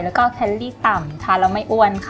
แล้วก็แคลลี่ต่ำทานแล้วไม่อ้วนค่ะ